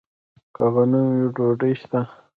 که غنم وي، ډوډۍ شته.